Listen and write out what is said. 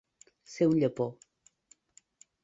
Ser un llepó.